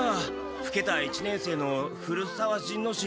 ふけた一年生の古沢仁之進。